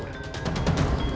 kau akan kabur